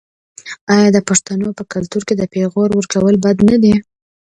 آیا د پښتنو په کلتور کې د پیغور ورکول بد نه دي؟